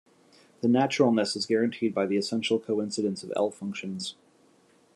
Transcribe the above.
The "naturalness" is guaranteed by the essential coincidence of L-functions.